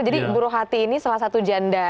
jadi bu rohati ini salah satu janda